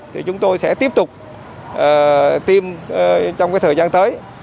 thì chúng tôi sẽ tiếp tục tiêm trong thời gian tới